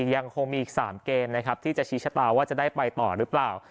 ยังคงมีอีก๓เกมนะครับที่จะชี้ชะตาว่าจะได้ไปต่อหรือเปล่า